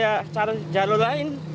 ya terpaksa ya jalur lain